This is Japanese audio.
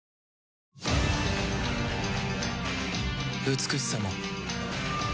美しさも